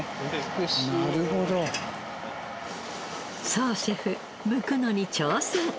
創シェフむくのに挑戦。